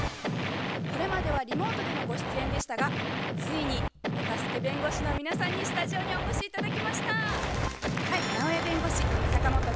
これまではリモートでのご出演でしたがついにお助け弁護士の皆さんにスタジオにお越し頂きました。